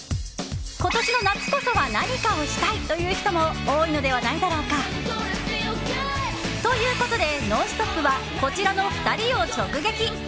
今年の夏こそは何かをしたいという人も多いのではないだろうか。ということで「ノンストップ！」はこちらの２人を直撃。